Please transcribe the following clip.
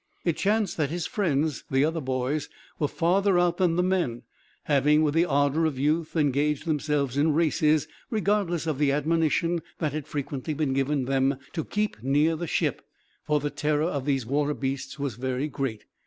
It chanced that his friends, the other boys, were farther out than the men; having, with the ardor of youth, engaged themselves in races, regardless of the admonition that had frequently been given them to keep near the ship; for the terror of these water beasts was very great.